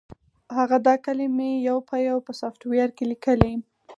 هغه دا کلمې یو په یو په سافټویر کې لیکلې